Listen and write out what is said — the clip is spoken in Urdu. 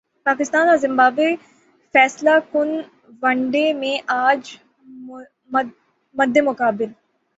پاکستان اور زمبابوے فیصلہ کن ون ڈے میں اج مدمقابل